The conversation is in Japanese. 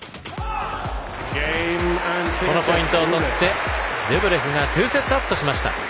このポイントを取ってルブレフが２セットアップしました。